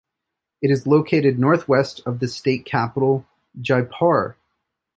It is located northwest of the state capital, Jaipur.